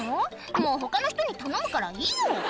「もう他の人に頼むからいいよ」